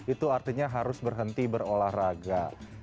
itu artinya harus berhenti berolahraga